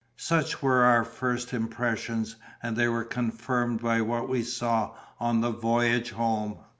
Such were our first impressions, and they were confirmed by what we saw on the voyage home.